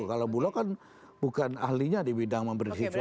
kalau bulog kan bukan ahlinya di bidang memperhitungkan cuaca